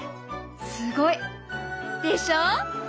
すごい！でしょ？